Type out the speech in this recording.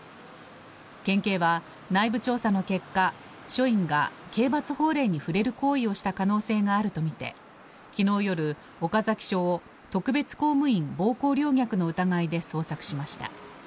県警は内部調査の結果、署員が刑罰法令に触れる行為をした可能性があるとみて昨日夜、岡崎署を特別公務員暴行陵虐の疑いで捜索しました。